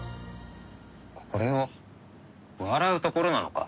これは笑うところなのか？